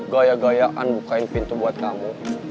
gaya gayaan bukain pintu buat kamu